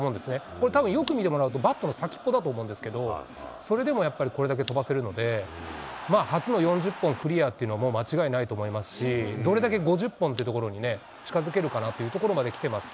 これ、たぶん、よく見てもらうと、バットの先っぽだと思うんですけど、それでもやっぱりこれだけ飛ばせるので、まあ、初の４０本クリアっていうのはもう間違いないと思いますし、どれだけ５０本ってところに近づけるかなというところまで来てます。